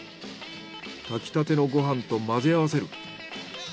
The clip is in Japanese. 炊きたてのご飯と混ぜ合わせる。